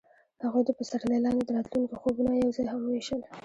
هغوی د پسرلی لاندې د راتلونکي خوبونه یوځای هم وویشل.